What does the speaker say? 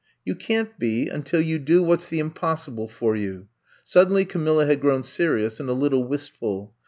You can't be until you do what 's the impossible for you." Suddenly Camilla had grown serious and a little wistful.